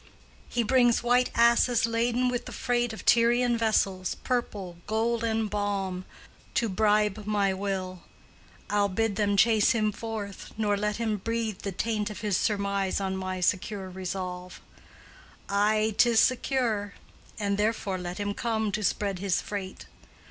He brings white asses laden with the freight Of Tyrian vessels, purple, gold and balm, To bribe my will: I'll bid them chase him forth, Nor let him breathe the taint of his surmise On my secure resolve. Ay, 'tis secure: And therefore let him come to spread his freight.